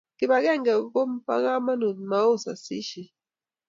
kipagenge ko po kamanut mau sasishet